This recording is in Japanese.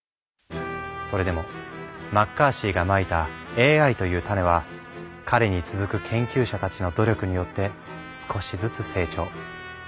それでもマッカーシーがまいたＡＩという種は彼に続く研究者たちの努力によって少しずつ成長。